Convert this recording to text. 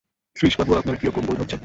শ্রীশবাবু, আপনার কিরকম বোধ হচ্ছে।